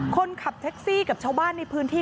คนขับแท็กซี่กับชาวบ้านในพื้นที่